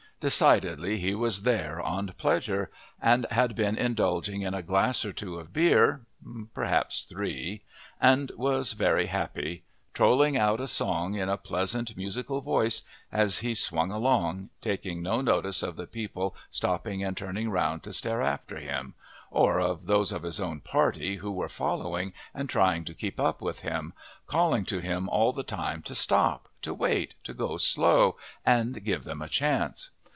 Decidedly he was there on pleasure and had been indulging in a glass or two of beer (perhaps three) and was very happy, trolling out a song in a pleasant, musical voice as he swung along, taking no notice of the people stopping and turning round to stare after him, or of those of his own party who were following and trying to keep up with him, calling to him all the time to stop, to wait, to go slow, and give them a chance.